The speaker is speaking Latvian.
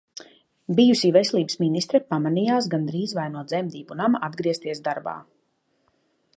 Bijusī veselības ministre pamanījās gandrīz vai no dzemdību nama atgriezties darbā.